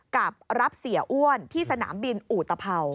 กับรับเสียอ้วนที่สนามบินอุตภัว